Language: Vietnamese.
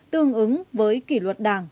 tương ứng với kỷ luật đảng